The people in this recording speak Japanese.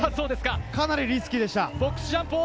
かなりリスキーでした。